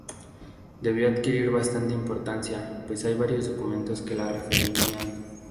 Debió adquirir bastante importancia, pues hay varios documentos que la referencian.